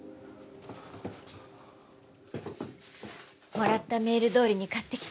もらったメールどおりに買ってきた。